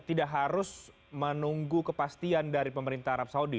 tidak harus menunggu kepastian dari pemerintah arab saudi